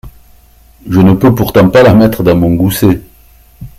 Je ne peux pourtant pas la mettre dans mon gousset !…